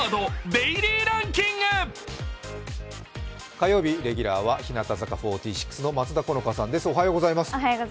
火曜日レギュラーは日向坂４６の松田好花さんです。